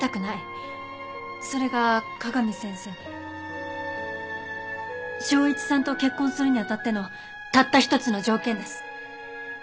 それが香美先生昇一さんと結婚するにあたってのたった一つの条件です。